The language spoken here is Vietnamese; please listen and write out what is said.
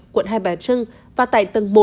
quận hai bà trưng và tại tầng một